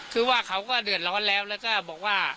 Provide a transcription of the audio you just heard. คือว่าเขาก็เดือดร้อนแล้วแล้วก็บอกว่า